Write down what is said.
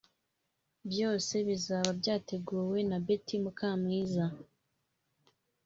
byose bizaba byateguwe na Betty Mukamwiza